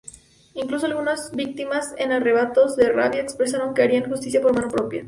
Incluso algunas víctimas, en arrebatos de rabia, expresaron que harían justicia por mano propia.